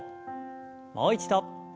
もう一度。